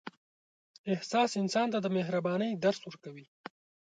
احساس انسان ته د مهربانۍ درس ورکوي.